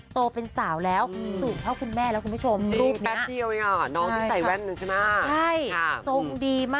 โตเป็นสาวแล้วสูงเท่าคุณแม่แล้วคุณผู้ชม